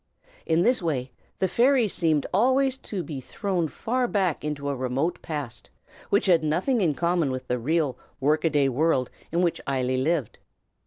In this way, the fairies seemed always to be thrown far back into a remote past, which had nothing in common with the real work a day world in which Eily lived.